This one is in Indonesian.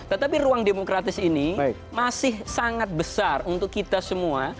tetapi ruang demokratis ini masih sangat besar untuk kita semua